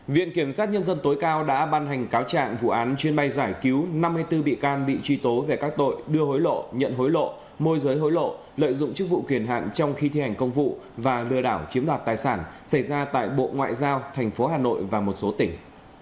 viện kiểm sát nhân dân tối cao đã ban hành cáo trạng vụ án chuyên bay giải cứu năm mươi bốn bị can bị truy tố về các tội đưa hối lộ nhận hối lộ môi giới hối lộ lợi dụng chức vụ kiền hạn trong khi thi hành công vụ và lừa đảo chiếm đoạt tài sản xảy ra tại bộ ngoại giao thành phố hà nội và một số tỉnh